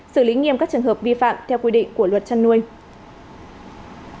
xử lý nghiêm các trường hợp vi phạm theo quy định của luật chăn nuôi